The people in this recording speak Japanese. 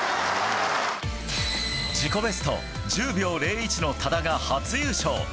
自己ベスト１０秒０１の多田が初優勝。